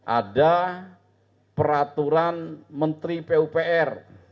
ada peraturan menteri pupr